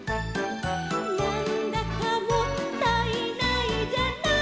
「なんだかもったいないじゃない」